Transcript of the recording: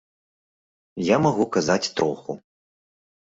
Я магу казаць троху.